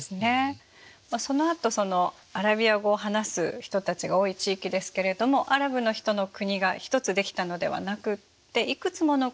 そのあとアラビア語を話す人たちが多い地域ですけれどもアラブの人の国が一つ出来たのではなくていくつもの国が出来ていくんですね。